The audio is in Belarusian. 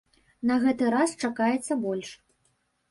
На гэты раз чакаецца больш.